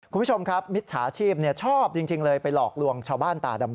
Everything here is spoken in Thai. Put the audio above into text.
คุณผู้ชมครับมิจฉาชีพชอบจริงเลยไปหลอกลวงชาวบ้านตาดำ